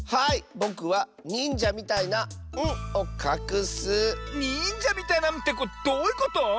ぼくはにんじゃみたいな「ん」をかくッス！にんじゃみたいな「ん」ってどういうこと？